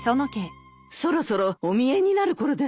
そろそろおみえになるころですね。